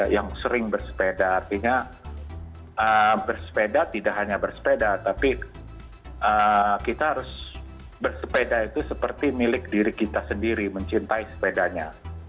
yang sering bersepeda artinya bersepeda tidak hanya bersepeda tapi kita harus bersepeda itu seperti milik diri kita sendiri mencintai sepedanya